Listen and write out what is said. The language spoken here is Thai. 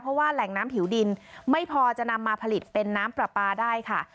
เพราะว่าแหล่งน้ำผิวดินไม่พอจะนำมาผลิตเป็นน้ำปลาปลาได้ค่ะ